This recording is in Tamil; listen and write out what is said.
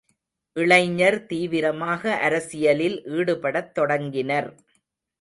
இளைஞர் தீவிரமாக அரசியலில் ஈடுபடத் தொடங்கினர்.